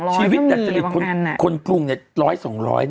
ชีวิตวันอาจารย์คนกรุงล้อยสองร้อย